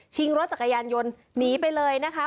รถจักรยานยนต์หนีไปเลยนะคะ